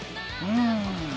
うん。